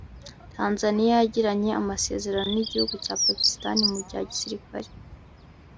tanzaniya yigiranye amasezerano n’igihugu cya pakistani mu bya gisirikare